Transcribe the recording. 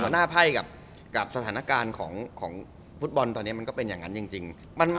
หน้าไพ่กับสถานการณ์ของฟุตบอลตอนนี้มันก็เป็นอย่างนั้นจริง